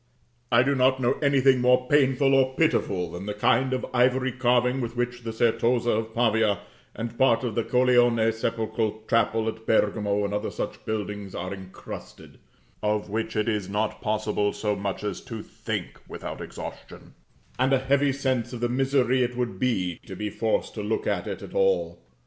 I do not know anything more painful or pitiful than the kind of ivory carving with which the Certosa of Pavia, and part of the Colleone sepulchral chapel at Bergamo, and other such buildings, are incrusted, of which it is not possible so much as to think without exhaustion; and a heavy sense of the misery it would be, to be forced to look at it at all.